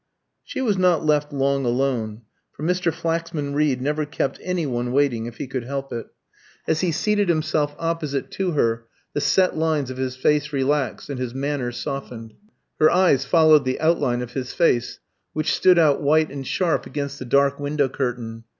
She was not left long alone, for Mr. Flaxman Reed never kept any one waiting if he could help it. As he seated himself opposite to her, the set lines of his face relaxed and his manner softened. Her eyes followed the outline of his face, which stood out white and sharp against the dark window curtain.